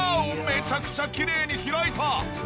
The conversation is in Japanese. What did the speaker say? めちゃくちゃきれいに開いた！